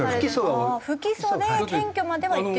不起訴で検挙まではいってる？